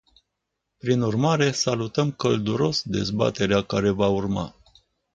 Prin urmare, salutăm călduros dezbaterea care va urma.